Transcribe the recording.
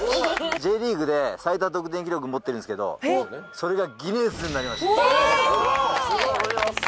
Ｊリーグで最多得点記録持ってるんですけどそれがギネスになりました。